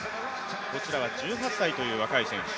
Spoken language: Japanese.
こちらは１８歳という若い選手。